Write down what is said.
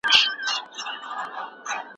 غسل کول بدن او روح پاکوي.